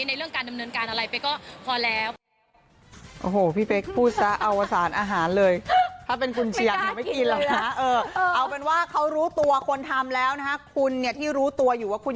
เรื่องการดำเนินการอะไรไปก็พอแล้ว